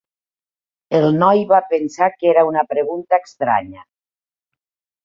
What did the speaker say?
El noi va pensar que era una pregunta estranya.